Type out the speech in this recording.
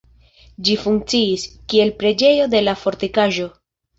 Ĝi funkciis, kiel preĝejo de la fortikaĵo.